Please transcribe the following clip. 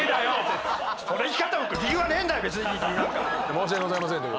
申し訳ございません。